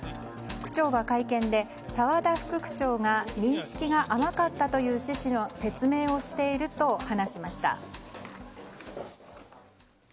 区長が会見で沢田副区長が認識が甘かったという趣旨の説明をしていると話しました。